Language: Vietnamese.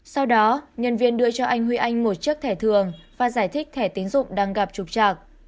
sau đó nhân viên đưa cho anh huy anh một chiếc thẻ thường và giải thích thẻ tín dụng đang gặp trục trạc